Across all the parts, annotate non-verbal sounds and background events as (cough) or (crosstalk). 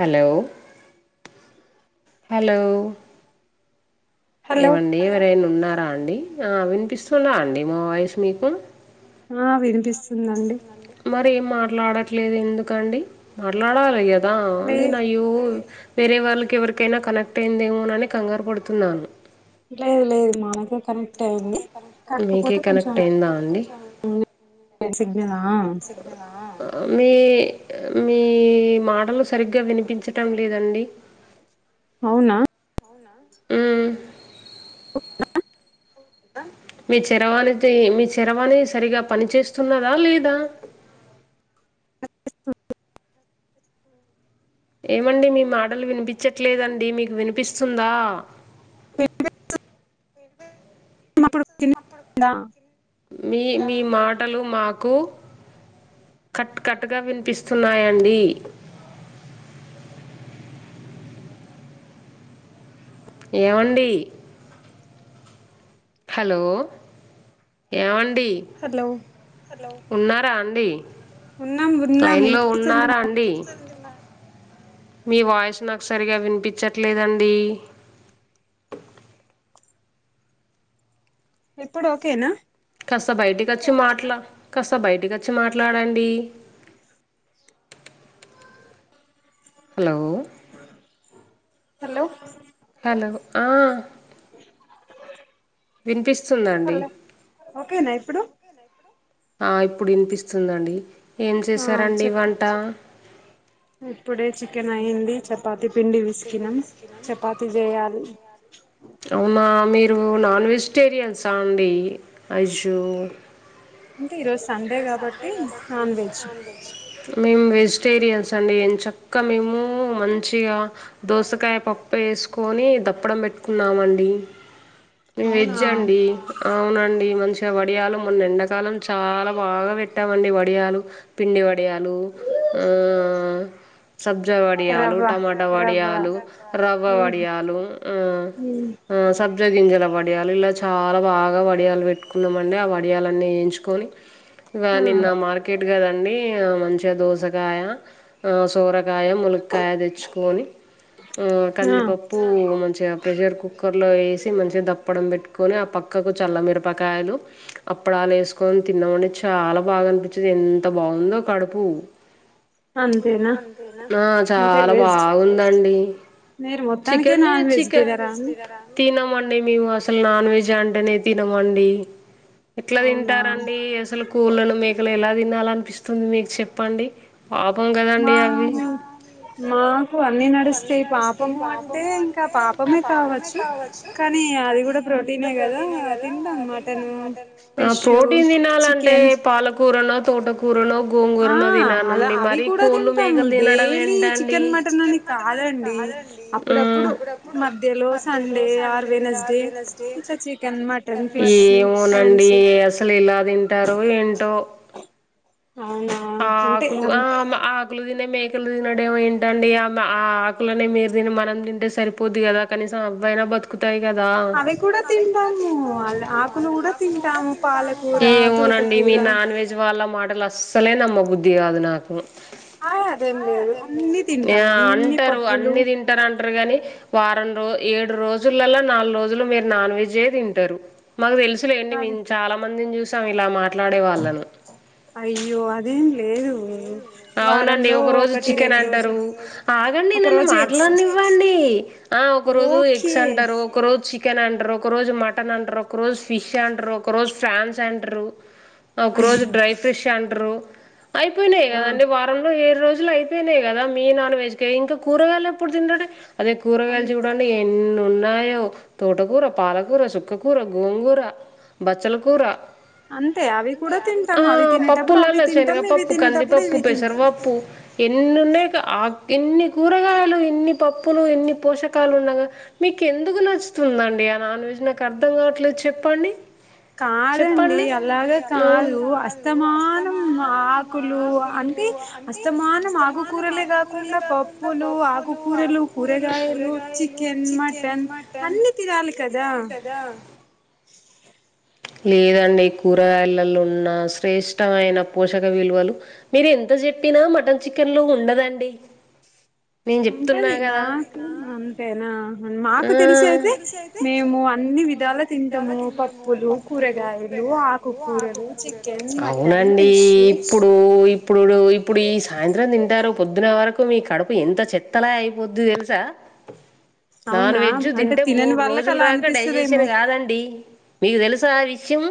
Hello hello ఏవండి ఎవరైనా ఉన్నారా అండి వినిపిస్తుందా అండి మా వాయిస్ మీకు ఆ వినిపిస్తుందండి మరి ఏం మాట్లాడట్లేదు ఎందుకండి మాట్లాడాలిగ అ నేను అయ్యో వేరే వాళ్ళకి ఎవరికైనా కనెక్ట్ అయిందేమోనని కంగారు పడుతున్నాను లేదు లేదు మానకే కనెక్ట్ అఇంది కాకపోతే కొంచెం ఉంది సిగ్నల్ ఆ మీ మీ మాటలు సరిగ్గా వినిపించటం లేదండి. అవునా అవునా మ్ అవునా మీ చరవాణితే మీ చరవాణి సరిగా పని చేస్తున్నదా లేదా? ఏమండి మీ మాటలు వినిపిచ్చట్లేదండి మీకు వినిపిస్తుందా వినిపిస్తుం (unintelligible) మీ మీ మాటలు మాకు కట్ కట్గా వినిపిస్తున్నాయండి. ఏవండీ హలో ఏమండి హలో! ఉన్నారా అండి లైన్లో ఉన్నారా అండి? మీ వాయిస్ నాకు సరిగా వినిపించట్లేదండీ. ఇప్పుడ్ ఓకేనా కాస్త బైటికచ్చి మాట్లా కాస్త బైటికచ్చి మాట్లాడండి. హలో! హలో! హలో ఆ విన్పిస్తుందండి. ఓకేనా ఇప్పుడు ఆ ఇప్పుడు ఇన్పిస్తుందండి ఏం చేసారండి వంట ఇప్పుడే చికెన్ అయింది చపాతి పిండి పిస్కినం చపాతి చేయాలి. అవునా మీరు నాన్ వెజిటేరియన్సా అండి ఐజు అంటే ఈరోజ్ సండే కాబట్టి నాన్ వెజ్ మేం వెజిటేరియన్స్ అండి ఎన్ చక్క మేము మంచిగా దోసకాయ పప్పు ఏస్కోని దప్పడం పెట్టు కున్నామండి మేం వెజ్ అండి. అవునండి మంచిగ వడియాలు మొన్న ఎండాకాలం చాలా బాగా పెట్టామండి వడియాలు. పిండే వడియాలు ఆ సబ్జా వడియాలు, టమాటా వడియాలు, రవ్వ వడియాలు ఆ ఆ సబ్జా గింజల వడియాలు ఇలా చాలా బాగా వడియాలు పెట్టుకున్నమండి ఆ వడియాలన్నీ ఏయించుకొని ఇగ నిన్న మార్కెట్ గదండి మంచిగ దోసకాయ ఆ సోరకాయ, ములక్కాయ తెచ్చుకోని మ్ కందిపప్పు మంచిగ ప్రెషర్ కుక్కర్లో ఏసి మంచిగ దప్పడం పెట్టుకొని ఆ పక్కకు చల్లమిరపకాయలు అప్పుడాల్ ఏస్కోన్ తిన్నామంటే చాలా బాగా అనిపించది ఎంత బాగుందో కడుపు ఆ చాలా బాగుందండి. మీరు మొత్తానికే నాన్ వెజ్ తినమండి మేము అసల్ నాన్ వెజ్ అంటేనే తినమండీ. ఎట్ల తింటారండీ అసలు కోళ్లను, మేకలు ఎలా తినాలన్పిస్తుంది మీక్ చెప్పండి. పాపం గ మావి మా కు అన్ని నడుస్తయి పాపము అంటే ఇంక పాపమే కావచ్చు. కానీ అది గుడ ప్రోటీనే గదా తింటాం మటను, ఫిషూ, చికె అంటే పాలకూరలో తోటకు కూరలో గోంగూరలో తిన్నానండిమరి కోళ్ళు మేకలు తినడం ఏంటి అండి మటన్ని కాదండి అప్పుడప్పుడు మధ్యలో Sunday or Wednesday chicken mutton fish ఇంకా అండి అసలు ఇలా తింటారో ఏంటో ఆ ఆకులు ఆ ఆకులు తినే మేకలు తినడం ఏంటండి ఆ ఆకులనే మీరు తిని మనం తింటే సరిపోద్ది కదా కనీసం అవ్వైనా బతుకు బతుకుతాయి కదా ఏమోనండి మీ నాన్ వెజ్ వాళ్ళ మాటలు అస్సలే నమ్మబుద్ధి కాదు నాకు ఆ అదేం లేదు అన్ని ఆ అంటారు అన్ని తిన్న తింటారు అంటారుగాని వారం రో ఏడు రోజులలో నాలుగు రోజులు మీరు నాన్ వెజ్ ఎ తింటారు మాకు తెలుసులేండి మేము చాలా మందిని చూసాం ఇలా మా వాళ్ళను అయ్యో అదేం లేదు వారంలో ఒకటి రెండు రోజులు ఆగండి నన్ను మాట్లాడనివ్వండి ఆ ఒక రోజు ఎగ్స్ అంటారు ఒకరోజు చికెన్ అంటారు ఒక రోజు మటన్ అంటారు ఒకరోజు ఫిష్ అంటారు ఒక రోజు ఫ్రాన్స్ అంటారు ఒక రోజు డ్రై ఫిష్ అంటరు అయిపోయినాయి కదండి వారం వరంలో ఏడు రోజులు అయిపోయినాయి కదా మీ నాన్ వెజ్ కే ఇంకా కూరగాయలు ఎప్పుడు తింటాడు అదే కూరగాయలు చూడండి ఎన్ని ఉన్నాయో తోటకూర పాలకూర సుక్కకూర గోంగూర బచ్చల కూర ఆ పప్పులలో శనగ పప్పు కందిపప్పు పెసర పప్పు ఎన్ని ఉన్నాయి ఇక ఆకు ఎన్ని కూరగాయలు ఎన్ని పప్పులు ఎన్ని పోషకాలు ఉండగా మీకు ఎందుకు నచ్చుతుందండి ఆ నాన్ వెజ్ నాకు అర్ధం కావట్లేదు చెప్పండి కాదండి అలాగే కాదు అస్తమానం ఆకులు అంటే అస్తమానం ఆకుకూరలేగా కాకుండా పప్పులు ఆకుకూరలు కూరగాయలు చికెన్ మటన్ అన్ని తినాలి కదా కదా లేదండి కూరగాయలలో ఉన్న శ్రేష్టమైన పోషక విలువలు మీరు ఎంత చెప్పినా మటన్ చికెన్ లో ఉండదండి నేను చెప్తున్నా కదా ఆమ్ తేనా మాకు తెలిసి అయితే మేము అన్ని విధాల తింటాము పప్పులు అవునండి ఇప్పు ఇప్పుడు ఇప్పుడు ఇప్పుడు ఈ సాయంత్రం తింటారు పొద్దున్న వరకు మీ కడుపు ఎంత చెత్త ఎంతలా అయిపోద్ది తెలుసా నాన్ వెజ్ తింటే మూడు రోజులు దాక డైజెషన్ కాదండి మీకు తెలుసా ఆ విషయము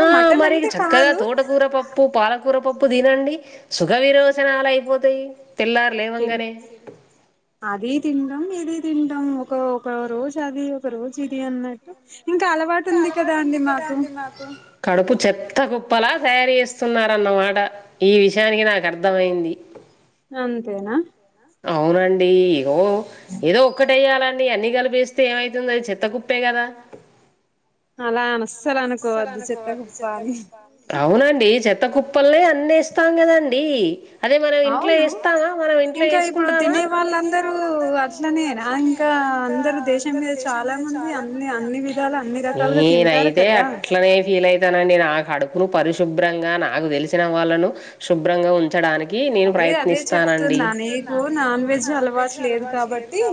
ఆ మరి చక్కగా తోటకూర పప్ప పప్పు పాలకూర పప్పు తినండి సుఖ విరోషనాలు అయిపోతాయి తెల్లారేలే తీన్ అది తింటాం ఇది తింటాం ఒక ఒక రోజు అది ఒక రోజు ఇది అన్నట్టు ఇంకా అలవాటు ఉంది కదా అండి మాకు నాకేం కడుపు చెత్త కుప్పలా తయారు చేస్తున్నారన్నమాట ఈ విషయానికి నాకు అర్థమయ్యింది అంతేనా అవునండి ఇగో ఏదో ఒక్కటి ఎయ్యాలండి అన్నీ కలిపేస్తే ఏమైతుంది అది చెత్త కుప్పే కదా అలా అని అస్సలు అనుకోవద్దు చెత్త కుప్ప అని అవునండి చెత్త కుప్పలనే అన్నీ ఏస్తాం కదండీ అదే మనం ఇంట్లో ఏస్తామా మనం ఇంట్లో ఏసుకుంటామా నేనై తే అట్లనే ఫీల్ అయితానండి నా కడుపును పరిశుభ్రంగా నాకు తెలిసిన వాళ్ళను శుభ్రంగా ఉంచడాని అదే అదే చెప్తున్నా నీకు నాన్ వెజ్ అలవాటు లేదు కాబట్టి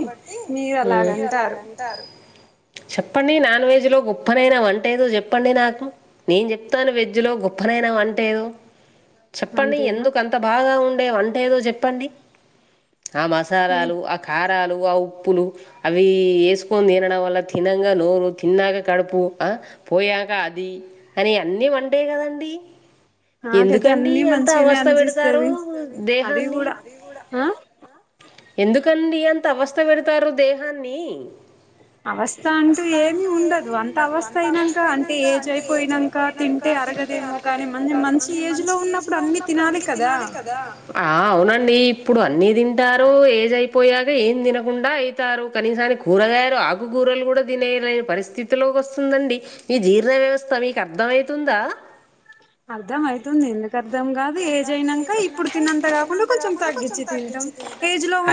మీరు అలాగంటారు చెప్పండి నాన్ వెజ్ లో గొప్పనైన వం టేదో చెప్పండి నాకు నేను చెప్తాను వెజ్ లో గొప్పనైన వంట ఏదో చెప్పండి ఎందుకు అంత బాగా ఉండే వంట ఏదో చెప్పండి ఆ మసాలాలు ఆ కారాలు ఆ ఉప్పులు అవి ఏసుకొని తినడం వల్ల తినంగా నోరు తిన్నాక కడుపు ఆ పోయాక అది అని అన్నీ వంటే కదండి ఎందుకండీ ఎంత అవస్థ పెడతారు దేహాన్ని ఎందుకండి అంత అవస్థ పెడతారు దేహాన్ని అవస్థ అంటూ ఏమీ ఉండదు అంత అవస్థ అయినంక అంటే ఏజ్ అయిపోయినంక తింటే అరగదేమో కానీ మనది మంచి ఏజ్ లో ఉన్నప్పుడు అన్నీ అప్పుడు అన్నీ తినాలి కదా ఆ అవునండి ఇప్పుడు అన్నీ తింటారు ఏజ్ అయిపోయాక ఏం తినకుండా ఈ తారు కనీసాన్ని కూరగాయారు ఆకుకూరలు కూడా తినేనై పరిస్థితిలోకి వస్తుందండి ఈ జీర్ణ వ్యవస్థ మీకు అర్ధం అయితుందా అర్ధం అయితుంది ఎందు కు అర్థం కాదు ఏజైనంక ఇప్పుడు తిన్నంత కాకుండా కొంచెం తగ్గిచ్చి తింటాం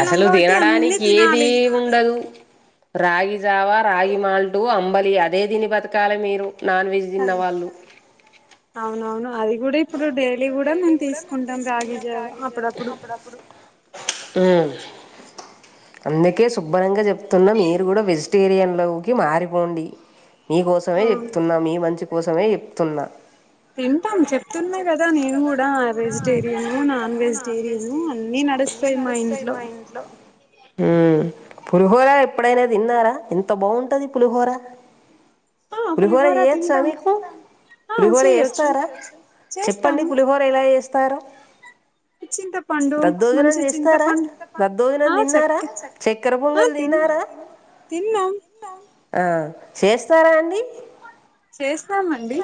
అసలు తినడానికి ఏదీ ఉండదు రాగి జావ రాగి మాల్టు అంబలి అదే తిని బతకాల మీరు నాన్ వెజ్ అది అవునవును అది కూడా ఇప్పుడు డైలీ కూడా మేము తీసుకుంటాం రాగిజావ అప్పుడప్పుడు ఊ అందుకే శుబ్బరంగా చెప్తున్నా మీరు కూడా వెజ్ టేరియన్లోకి మారిపోండి మీకోసమే చెప్తున్నా మీ మంచి కోసమే చెప్తున్నా తింటాం చె తున్నా కదా నేను కూడా వెజిటేరియను నాన్ వెజిటేరియను అన్నీ నడుస్తాయి మా ఇంట్లో ట్లో ఊ పులిహోర ఎప్పుడైనా తిన్నారా ఎంత బావుంటది పులిహోర పులిహోర చేయొచ్చా మీకు పులిహోర చేస్తారా చెప్పండి పులిహోర ఎలా చేస్తారో దద్దోజనం చేస్తారా దద్దోజనం తిన్నారా చె క్కెర పొంగలి తిన్నారా తిన్నాం ఆ చేస్తారా అండి చేస్తాం అండి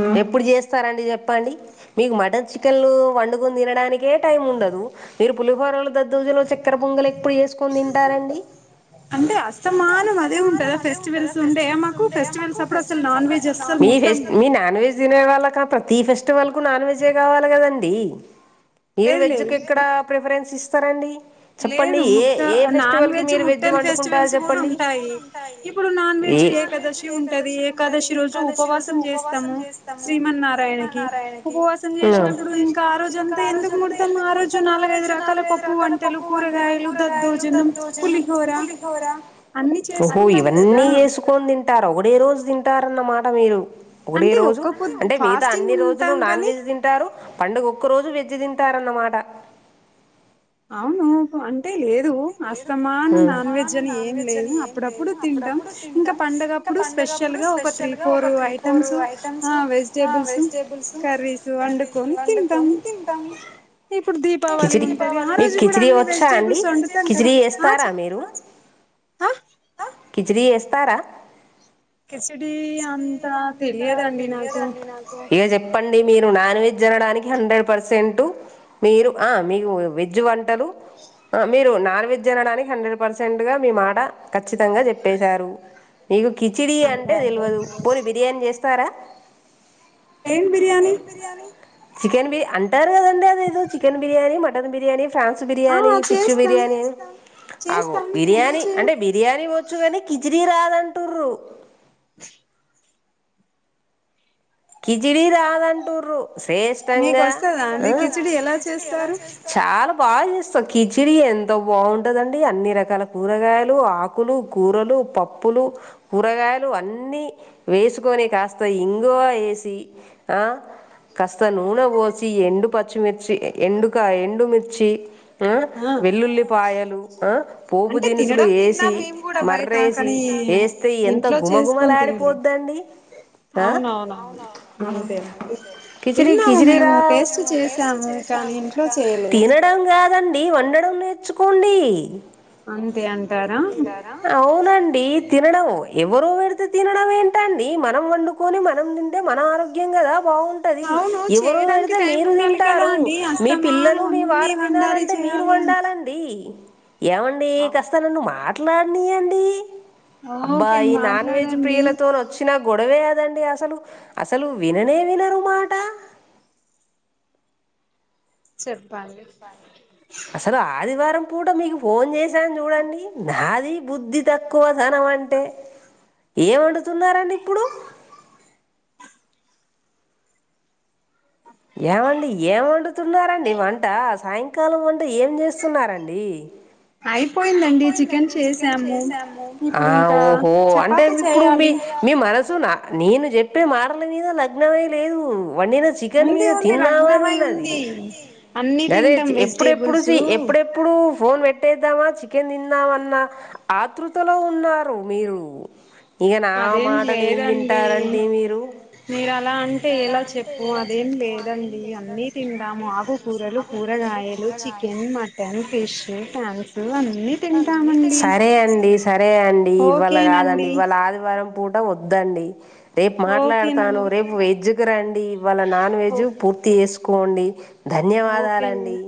ఉ ఎప్పుడు చేస్తారండి చెప్పండి నీకు మటన్ చికెన్లు వండుకొని తినడానికే టైం ఉండదు మీరు పులిహోరలు దద్దోజనం చక్కర పొంగలీ ఎప్పుడు చేసుకొని తింటారండి అంటే అసమానం అదే ఉంటదా ఫెస్టివల్స్ ఉండే మాకు ఫెస్టివల్స్ అప్పుడు మీ ఫేస్ మీ నాన్ వెజ్ తినే వాళ్ళకు ప్రతి ఫెస్టివల్ కు నాన్ వెెజే కావాలి కదండి మీరు వెజ్జ్కి ఎక్కడ ప్రిఫరెన్స్ ఇస్తారండి చెప్పండి ఏ ఏ ఫెస్టివల్ కి మీరు వెజ్ వండుకుంటారు చెప్పండి ఇప్పుడు నాన్ వెజ్ ఏకాదశి ఉంటది ఏకాదశి ఏకాదశి రోజు ఉపవాసం చేస్తాము శ్రీమనారాయణకి ఉపవాసం చేస్ ప్పుడు ఇంకా ఆ రోజుంతా ఎందుకు ముడతాం ఆ రోజు నాలుగైఐదు రకాల పప్పు పప్పు వంటలు కూరగాయలు దద్ద్దోజనం పులిహోరా ఓహో ఇవన్నీ చేసుకొని తింటారు ఒకటేరోజు తింటారన్నమాట మీరు ఒకటే రోజు అంటే మీగతా అన్ని రోజులు నాన్ వెజ్ తింటారు పండుగ ఒక్కరోజు వెజ్ తింటారన్నమాట అవును ఆన్ అంటే లేదు అస్తమానం నాన్ వెజ్ అని ఏం లేదు అప్పుడప్పుడు తింటాం ఇంకా పండగ అప్పుడు ప్పుడు స్పెషల్ గా ఒక త్రీ ఫోర్ ఐటెమ్స్ ఆ వెజిటేబుల్స్ కర్రీస్ వండుకొని తింటామ్ ఇప్పుడు దీపావళి ఉంట ది ఆ రోజు కూడా అన్ని వెజిటేబుల్స్ వండుతం కదా ఆచి హా ఆ కిచిడి చేస్తారా కిచిడీ అంతా తెలియదండి నాకు ఇగ చెప్పండి మీరు నాన్ వెజ్ తినడానికి హండ్రెడ్ పర్సెంట్ మీరు ఆ మీరు వెజ్ వంటలు మీరు నాన్ వెజ్ తినడానికి హండ్రాడ్ పర్సెంట్ గా మీ మాట కచ్చితంగా చెప్పేశారు మీకు కిచిడి అంటే టే తెలివదు పోనీ బిర్యానీ చేస్తారా ఏం బిర్యానీ బిర్యానీ చికెన్ బి అంటారు కదండి అదేదో chicken biryani mutton biryani prawns biryani fish biryani ఆగొ బిర్యాని అంటే బి బిర్యానీ వచ్చు కానీ కిచిడి రాదు అంటూర్రు కిచడి రాదు అంటూర్రు శ్రేష్టంగా ఆ చాలా బాగా చేస్తాం కిచిడి ఎంత బాగుంటదండి అన్ని రకాల కూరగాయలు ఆకు ఆకులు కూరలు పప్పులు కూరగాయలు అన్నీ వేసుకొని కాస్త ఇంగువా వేసి ఆ కాస్త నూనె పోసి ఎండు పచ్చిమిర్చి ఎండుకాయ ఎండుమిర్చి ఆ వెల్లుల్లిపాయలు ఆ పోపు దినుసులు వేసి మర్ర వేసి వేస్ స్తే ఎంత గుమగుమలాడి పొద్ద అండి అవునవును అంతేనండి కిచిడి కిచిడి రా తినడం కాదండి వండడం నేర్చుకోండి అవునండి తినడం ఎవరో పెడితే తినడం ఏంటండి మనం వండుకొని మన మనం తింటే మన ఆరోగ్యం కదా బాగు టాది ఎవరు పెడితే మీరు తింటారు మీ పిల్లలు మీ వారు తినాలంటే మీరు వండాలం టీ ఎవండి కాస్త నన్ను మాట్లాడిని అండి. అబ్బా ఈ నాన్ వెజ్ ప్రియల తోనుతో, వచ్చినా గొడవే అదండి అసలు అసలు విననే వినరు మాట. చెప్పాలి. రా ఆదివారం పూట మీకు ఫోన్ చేశాను చూడండి నాది బుద్ధి తక్కువ ధనం అంటే, ఏం వండుతున్నారండి ఇప్పుడు, ఏమండి ఏం వండుతున్నారండి వంట సాయంకాలం వంట ఏం చేస్తున్నారంండి. అయిపోయిందండి చికెన్ చేసాము. మీ మనసు నా నేను చెప్పే మాటల మీద లగ్నమే లేదు వండిన చికె. చికెన్ మీద తిందామని ఉన్నది అదే ఎప్పుడెప్పుడు ఎప్పుడెప్పు. ఇప్పుడు ఫోన్ పెట్టేద్దామా చూ, చికెన్ తిందామన్న ఆతృతలో ఉన్నారు మీరు, ఈ నా మాటలు ఏం వింటారండి మీరు, మీరు అలా అంటే ఎలా చెప్పు అదేం లేదండి అన్ని తింటాము ఆకుకూరలు, కూరగాయలు చికెన్ మటన్ ఫిష్ పాన్స్, సరే అండి సరే అండి ఇవాళ కాదండి ఇవాళ ఆదివారం పూ, వద్దండి రేపు మాట్లాడుతాను రేపు వెజ్కి రండి ఇవాళ నాన్ వెజ్ పూర్తి. తిసుకోండి ధన్యవాదాలండి.